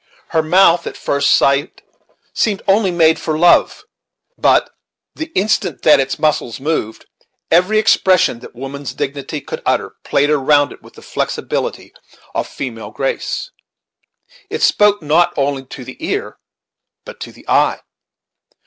Her mouth, at first sight, seemed only made for love; but, the instant that its muscles moved, every expression that womanly dignity could utter played around it with the flexibility of female grace. It spoke not only to the ear, but to the eye.